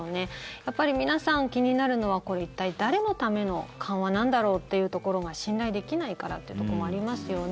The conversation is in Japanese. やっぱり皆さん気になるのはこれ一体、誰のための緩和なんだろうというところが信頼できないからというところもありますよね。